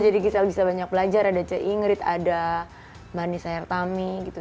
jadi gisel bisa banyak belajar ada c i ingrid ada marnisa yertami gitu